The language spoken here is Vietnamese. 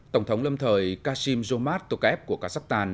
tổng thống lâm thời qasim jomad tukheb của kazakhstan